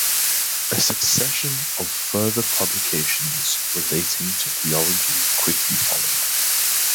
A succession of further publications relating to Theology quickly followed.